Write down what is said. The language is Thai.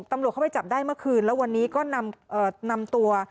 ตำรวจเข้าไปจับได้เมื่อคืนแล้ววันนี้ก็นำตัว